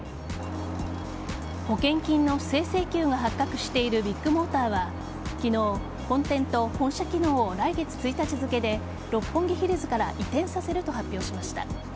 保険金の不正請求が発覚しているビッグモーターは昨日、本店と本社機能を来月１日付で六本木ヒルズから移転させると発表しました。